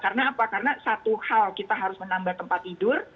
karena apa karena satu hal kita harus menambah tempat tidur